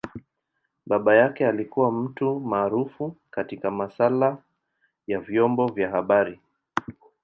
Baba yake alikua mtu maarufu katika masaala ya vyombo vya habari.